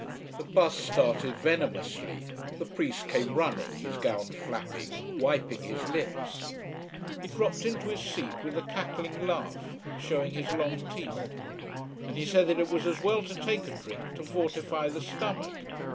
The bus started venomously, the priest came running, his gown flapping, wiping his lips. He dropped into his seat with a cackling laugh, showing his long teeth. And he said that it was as well to take a drink, to fortify the stomach.